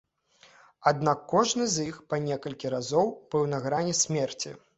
Аднак кожны з іх па некалькі разоў быў на грані смерці.